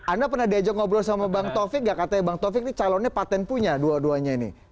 anda pernah diajak ngobrol sama bang taufik gak katanya bang taufik ini calonnya patent punya dua duanya ini